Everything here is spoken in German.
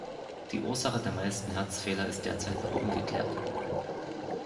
Die Ursache der meisten Herzfehler ist derzeit noch ungeklärt.